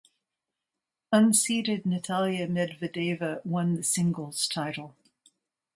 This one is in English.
Unseeded Natalia Medvedeva won the singles title.